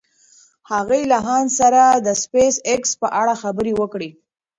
هغې له هانس سره د سپېساېکس په اړه خبرې وکړې.